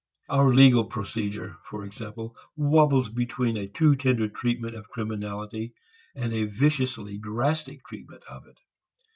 Our legal procedure, for example, wobbles between a too tender treatment of criminality and a viciously drastic treatment of it.